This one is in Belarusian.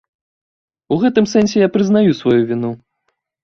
У гэтым сэнсе я прызнаю сваю віну.